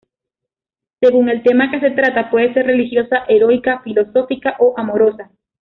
Según el tema que se trata, puede ser religiosa, heroica, filosófica o amorosa.